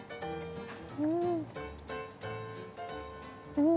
うん！